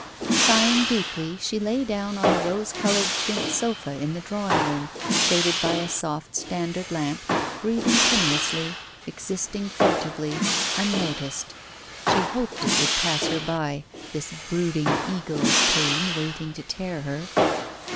Sighing deeply, she lay down on the rose coloured chintz sofa in the drawing room, shaded by a soft standard lamp, breath ing timorously, existing furtively, unnoticed. She hoped it would pass her by, this brooding eagle of pain waiting to tear her.